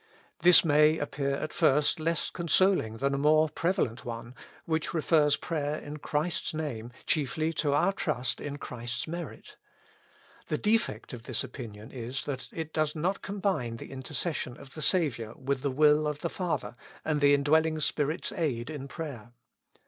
*' This may appear at first less consoling than a more prevalent one, which refers prayer in Christ's name chiefly to our trust in Christ's merit. The de fect of this opinion is, that it does not combine the intercession of the Saviour with the will of the Father, and the indwelling Spirit's aid in prayer.